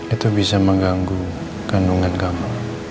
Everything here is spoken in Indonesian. itu bisa mengganggu kandungan gamal